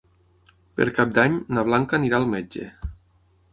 Per Cap d'Any na Blanca anirà al metge.